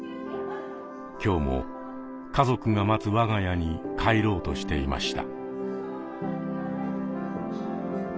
今日も家族が待つ我が家に帰ろうとしていました。